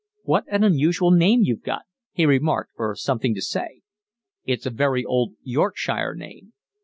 "What an unusual name you've got," he remarked, for something to say. "It's a very old Yorkshire name.